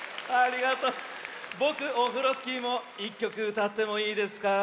ぼくオフロスキーも１きょくうたってもいいですか？